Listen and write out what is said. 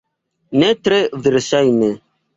Ne tre verŝajne.